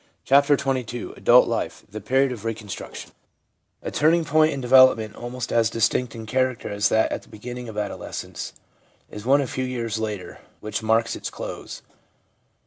CHAPTER XXII ADULT LIFE — THE PERIOD OF RECONSTRUCTION A TURNING POINT in development almost as distinct in character as that at the beginning of adolescence is one a few years later which marks its close.